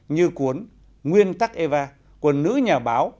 như cuốn nguyên tắc eva của nữ nhà báo